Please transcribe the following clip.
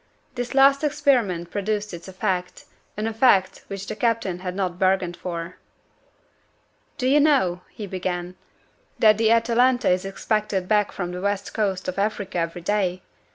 This last experiment produced its effect an effect which the captain had not bargained for. "Do you know," he began, "that the Atalanta is expected back from the West Coast of Africa every day?